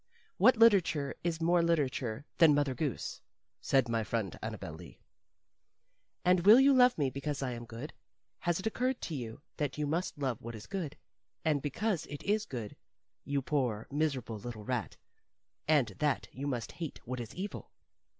What literature is more literature than Mother Goose?" said my friend Annabel Lee. "And will you love me because I am good? Has it occurred to you that you must love what is good and because it is good, you poor, miserable, little rat, and that you must hate what is evil?